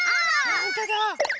ほんとだ！